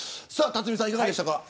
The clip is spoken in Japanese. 辰巳さん、いかがでしたか。